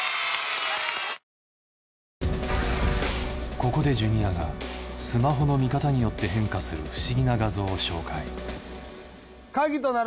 ここでジュニアがスマホの見方によって変化する不思議な画像を紹介